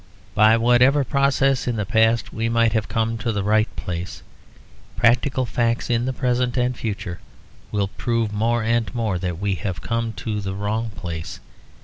By whatever process in the past we might have come to the right place, practical facts in the present and future will prove more and more that we have come to the wrong place.